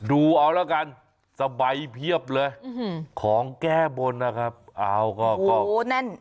ดูเอาแล้วกันสบายเพียบเลยอืมของแก้บนนะครับเอาก็ก็โอ้นั่น